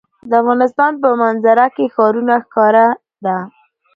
د افغانستان په منظره کې ښارونه ښکاره ده.